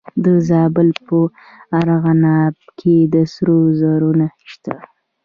د زابل په ارغنداب کې د سرو زرو نښې شته.